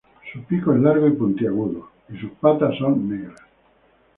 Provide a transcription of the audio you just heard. Su pico es largo y puntiaguda y sus patas son negras.